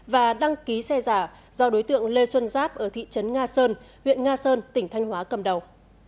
và đăng ký xe giả do đối tượng lê xuân giáp ở thị trấn nga sơn huyện nga sơn tỉnh thanh hóa cầm đầu